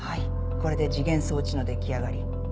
これで時限装置の出来上がり。